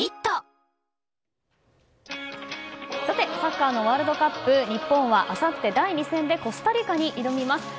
さてサッカーのワールドカップ日本は、あさって第２戦でコスタリカに挑みます。